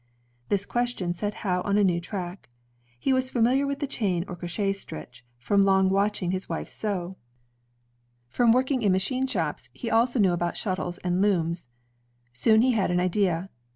This question set Howe on a new track. He was familiar with the chain or crochet stitch, from long watching his wife sew. From ELIAS HOWE I2g working ia machine shops, he also knew about shuttles and looms. Soon he had an idea.